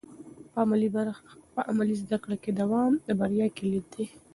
په عملي زده کړه کې دوام د بریا کلید دی.